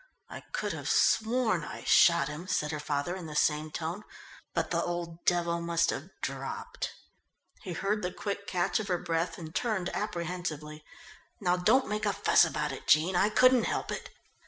"I could have sworn I shot him," said her father in the same tone, "but the old devil must have dropped." He heard the quick catch of her breath and turned apprehensively. "Now, don't make a fuss about it, Jean, I couldn't help it."